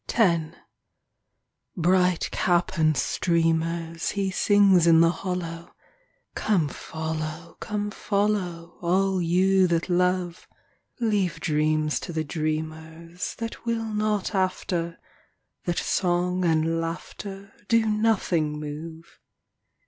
X Bright cap and streamers, He sings in the hollow : Come follow, come follow, All you that love. Leave dreams to the dreamers That will not after, That song and laughter Do nothing move.